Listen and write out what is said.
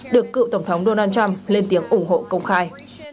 được cựu tổng thống donald trump lên tiếng ủng hộ công khai